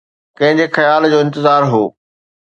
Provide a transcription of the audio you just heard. ڪنهن جي خيال جو انتظار هو؟